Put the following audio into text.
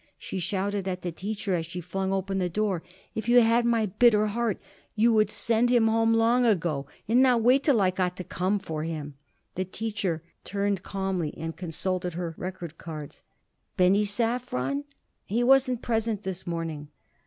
she shouted at the teacher as she flung open the door. "If you had my bitter heart, you would send him home long ago and not wait till I got to come for him." The teacher turned calmly and consulted her record cards. "Benny Safron? He wasn't present this morning."